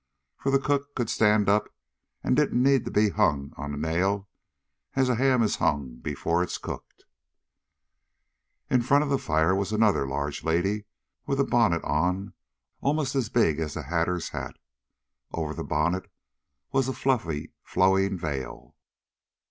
For the cook could stand up and didn't need to be hung on a nail as a ham is hung before it's cooked. In front of the fire was another large lady with a bonnet on almost as big as the Hatter's hat. Over the bonnet was a fluffy, flowing veil.